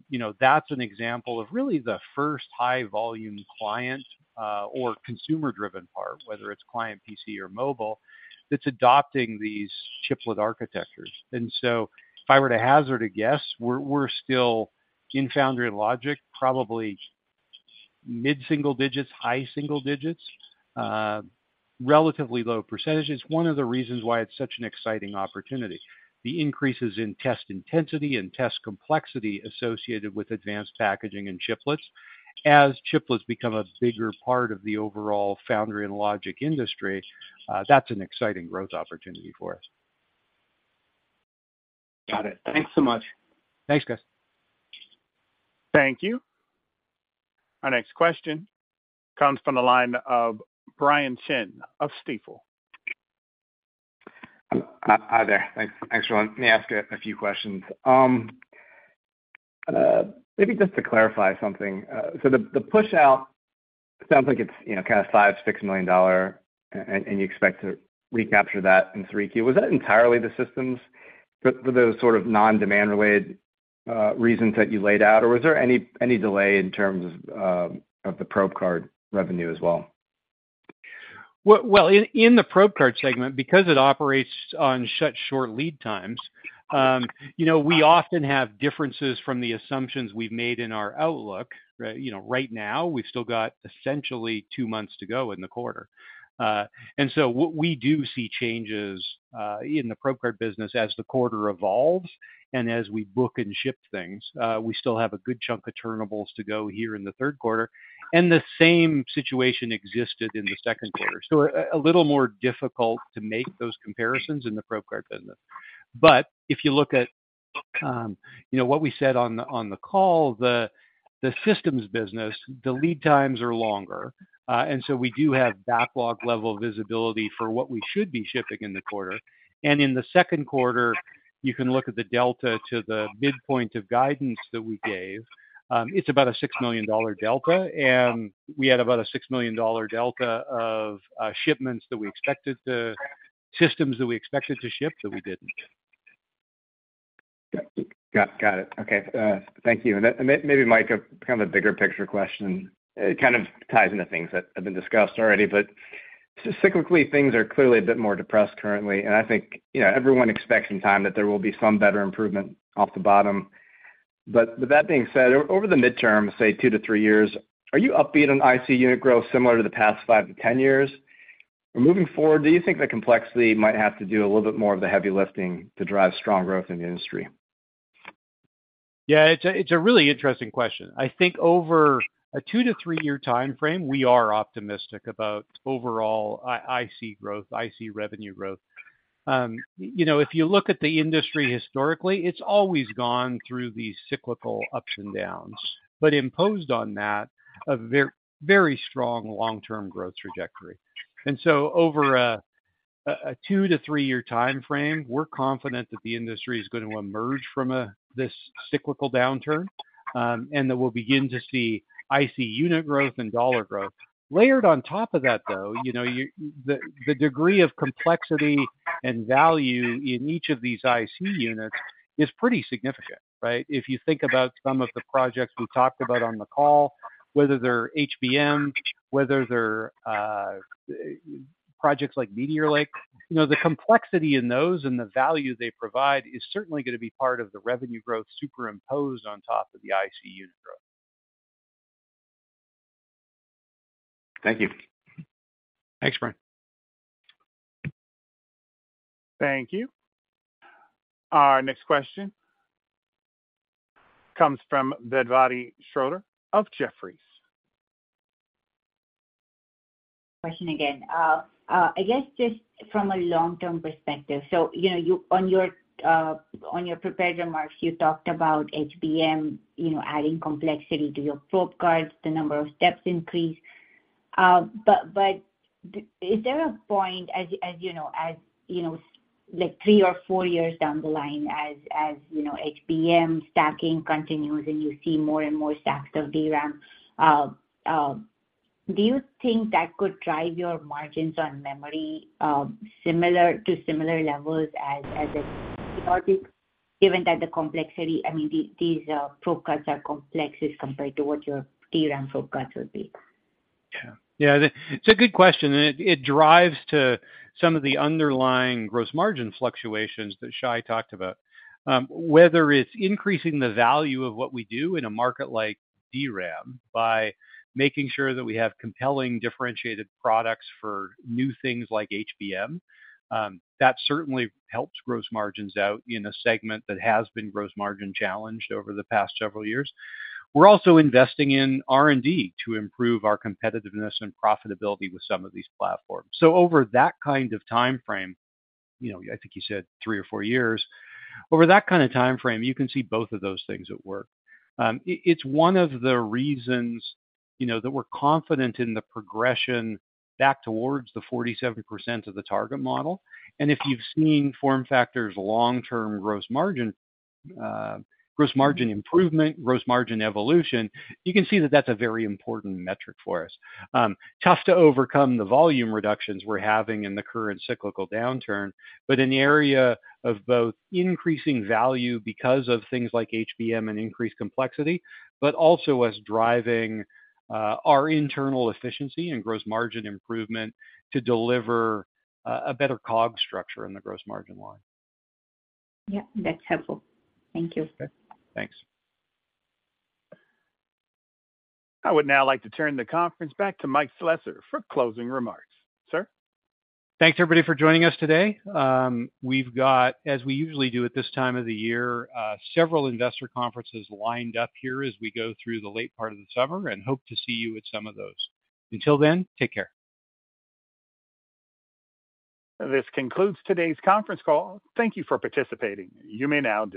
C: You know, that's an example of really the first high-volume client, or consumer-driven part, whether it's client PC or mobile, that's adopting these chiplet architectures. If I were to hazard a guess, we're still in foundry and logic, probably mid-single digits, high single digits, relatively low percentages. One of the reasons why it's such an exciting opportunity, the increases in test intensity and test complexity associated with advanced packaging and chiplets. As chiplets become a bigger part of the overall foundry and logic industry, that's an exciting growth opportunity for us.
L: Got it. Thanks so much.
C: Thanks, guys.
A: Thank you. Our next question comes from the line of Brian Chin of Stifel.
M: Hi there. Thanks. Thanks for letting me ask a few questions. Maybe just to clarify something, the pushout sounds like it's, you know, kind of $5 million-$6 million, and you expect to recapture that in 3Q. Was that entirely the systems for those sort of non-demand related reasons that you laid out, or was there any delay in terms of the probe card revenue as well?
C: Well, in the probe card segment, because it operates on such short lead times, you know, we often have differences from the assumptions we've made in our outlook, right? You know, right now, we've still got essentially two months to go in the quarter. What we do see changes in the probe card business as the quarter evolves and as we book and ship things. We still have a good chunk of turnables to go here in the third quarter, and the same situation existed in the second quarter. A little more difficult to make those comparisons in the probe card business. If you look at, you know, what we said on the, on the call, the, the systems business, the lead times are longer. We do have backlog level visibility for what we should be shipping in the quarter. In the second quarter, you can look at the delta to the midpoint of guidance that we gave. It's about a $6 million delta, and we had about a $6 million delta of shipments that we expected systems that we expected to ship, that we didn't.
M: Got, got it. Okay. Thank you. Then maybe, Mike, a kind of a bigger picture question. It kind of ties into things that have been discussed already, but cyclically, things are clearly a bit more depressed currently, and I think, you know, everyone expects in time that there will be some better improvement off the bottom. With that being said, over the midterm, say 2-3 years, are you upbeat on IC unit growth similar to the past 5-10 years? Moving forward, do you think the complexity might have to do a little bit more of the heavy lifting to drive strong growth in the industry?
C: Yeah, it's a, it's a really interesting question. I think over a 2-3 year timeframe, we are optimistic about overall IC growth, IC revenue growth. You know, if you look at the industry historically, it's always gone through these cyclical ups and downs, but imposed on that, a very, very strong long-term growth trajectory. Over a 2-3 year timeframe, we're confident that the industry is going to emerge from this cyclical downturn, and that we'll begin to see IC unit growth and dollar growth. Layered on top of that, though, you know, the degree of complexity and value in each of these IC units is pretty significant, right? If you think about some of the projects we talked about on the call, whether they're HBM, whether they're projects like Meteor Lake, you know, the complexity in those and the value they provide is certainly going to be part of the revenue growth superimposed on top of the IC unit growth.
M: Thank you.
C: Thanks, Brian.
A: Thank you. Our next question comes from Vedvati Shrotri of Jefferies...
F: question again. I guess just from a long-term perspective. You know, you, on your prepared remarks, you talked about HBM, you know, adding complexity to your probe cards, the number of steps increased. Is there a point, as you know, like three or four years down the line, as you know, HBM stacking continues and you see more and more stacks of DRAM, do you think that could drive your margins on memory similar to similar levels as a periodic... given that the complexity... I mean, these probe cards are complex compared to what your DRAM probe cards would be?
C: Yeah. Yeah, it's a good question. It drives to some of the underlying gross margin fluctuations that Shai talked about. Whether it's increasing the value of what we do in a market like DRAM by making sure that we have compelling, differentiated products for new things like HBM, that certainly helps gross margins out in a segment that has been gross margin challenged over the past several years. We're also investing in R&D to improve our competitiveness and profitability with some of these platforms. Over that kind of timeframe, you know, I think you said three or four years, over that kind of timeframe, you can see both of those things at work. It's one of the reasons, you know, that we're confident in the progression back towards the 47% of the target model. If you've seen FormFactor's long-term gross margin, gross margin improvement, gross margin evolution, you can see that that's a very important metric for us. Tough to overcome the volume reductions we're having in the current cyclical downturn, but in the area of both increasing value because of things like HBM and increased complexity, but also us driving our internal efficiency and gross margin improvement to deliver a better COG structure in the gross margin line.
F: Yeah, that's helpful. Thank you.
C: Thanks.
A: I would now like to turn the conference back to Mike Slessor for closing remarks. Sir?
C: Thanks, everybody, for joining us today. We've got, as we usually do at this time of the year, several investor conferences lined up here as we go through the late part of the summer, and hope to see you at some of those. Until then, take care.
A: This concludes today's conference call. Thank you for participating. You may now disconnect.